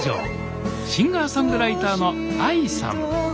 シンガーソングライターのＡＩさん。